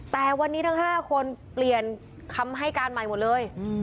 แต่วันนี้ทั้ง๕คนเปลี่ยนคำให้การใหม่หมดเลย